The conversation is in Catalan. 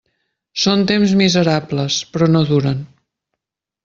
Són temps miserables, però no duren.